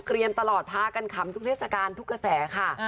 เรียนตลอดพากันขำทุกเทศกาลทุกกระแสค่ะ